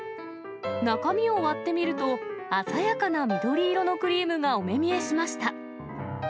中身を割ってみると、鮮やかな緑色のクリームがお目見えしました。